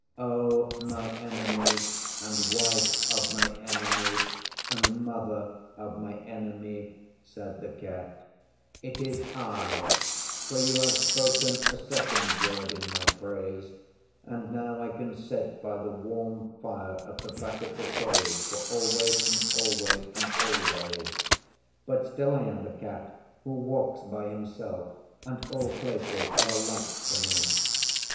'O my Enemy and Wife of my Enemy and Mother of My Enemy,' said the Cat, 'it is I, for you have spoken a second word in my praise, and now I can sit by the warm fire at the back of the Cave for always and always and always. But still I am the Cat who walks by himself, and all places are alike to me.